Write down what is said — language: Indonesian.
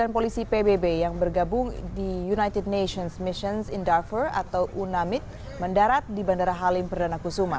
satu ratus tiga puluh sembilan polisi pbb yang bergabung di united nations missions in darfur atau unamid mendarat di bandara halim perdana kusuma